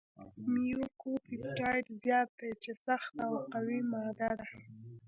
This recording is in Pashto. میوکوپپټایډ زیات دی چې سخته او قوي ماده ده.